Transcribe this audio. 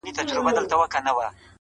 څوک چي نوی په کوم علم ورکښېوځي